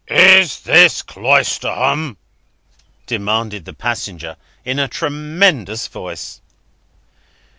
"Is this Cloisterham?" demanded the passenger, in a tremendous voice.